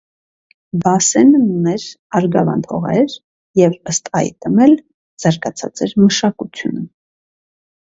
Բասենն ուներ արգավանդ հողեր և, ըստ այդմ էլ, զարգացած էր մշակությունը։